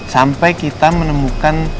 sampai kita menemukan